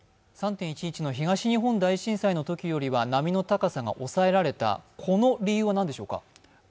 ３．１１の東日本大震災のときよりは波の高さが抑えられた、この理由は何でしょうか。